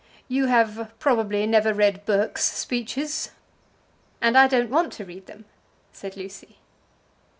"You have, probably, never read Burke's speeches." "And I don't want to read them," said Lucy.